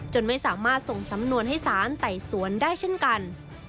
ไม่สามารถส่งสำนวนให้สารไต่สวนได้เช่นกัน